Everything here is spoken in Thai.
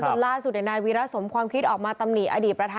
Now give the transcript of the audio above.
จนล่าสุดในนายวิราษน์นำความคิดออกมาตำหนี่อดีต